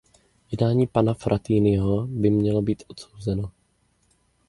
Jednání pana Frattiniho by mělo být odsouzeno.